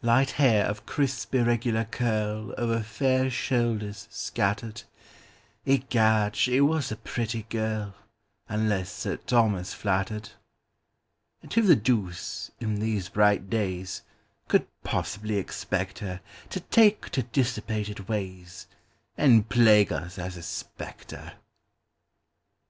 Light hair of crisp irregular curlOver fair shoulders scattered—Egad, she was a pretty girl, Unless Sir Thomas flattered! And who the deuce, in these bright days, Could possibly expect herTo take to dissipated ways, And plague us as a spectre?